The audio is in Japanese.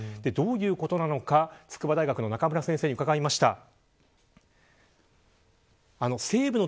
どういうことなのか、筑波大学の中村先生に伺いました。